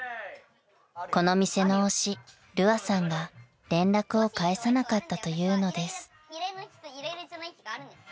［この店の推しるあさんが連絡を返さなかったというのです］